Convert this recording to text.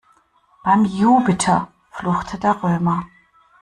"Beim Jupiter!", fluchte der Römer.